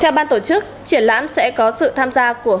theo ban tổ chức triển lãm sẽ có sự tham gia của